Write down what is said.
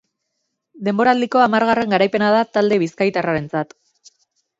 Denboraldiko hamargarren garaipena da talde bizkaitarrarentzat.